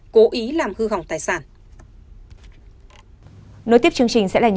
cố ý làm hư hỏng tài sản